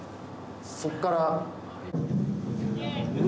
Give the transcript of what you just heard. そこから。